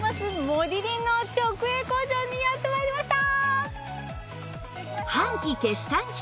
モリリンの直営工場にやって参りました！